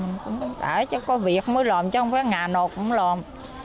mình cũng để cho có việc mới làm chứ không phải ngà nột cũng làm